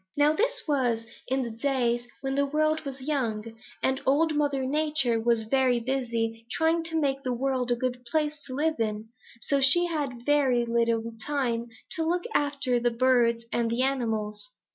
Now this was in the days when the world was young, and Old Mother Nature was very busy trying to make the world a good place to live in, so she had very little time to look after the birds and the animals.